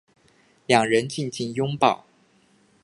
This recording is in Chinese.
两人静静拥抱